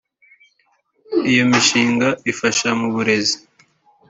Iyo mishinga ifasha mu burezi